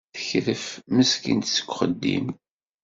Tekref meskint seg uxeddim.